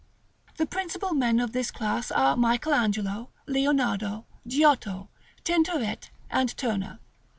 The principal men of this class are Michael Angelo, Leonardo, Giotto, Tintoret, and Turner.